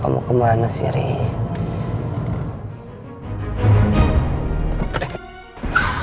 kamu kemana sih rik